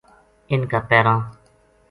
اِنھ کا پیراں